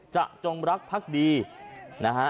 จงรักพักดีนะฮะ